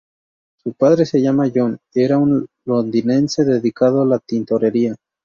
Su padre se llamaba John, y era un londinense dedicado a la tintorería.